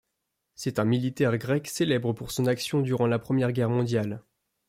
C’est un militaire grec célèbre pour son action durant la Première Guerre mondiale.